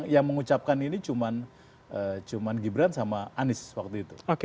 yang mengucapkan ini cuma gibran sama anies waktu itu